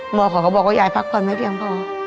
หมอกเขาบอกว่ายายพักควรไม่พี่ค่ะพ่อ